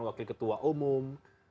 wakil ketua umum